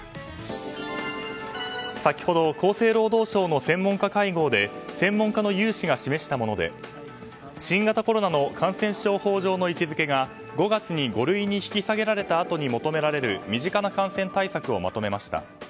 先ほど、厚生労働省の専門家会合で専門家の有志が示したもので新型コロナの感染症法上の位置づけが５月に５類に引き下げられたあとに求められる身近な感染対策をまとめました。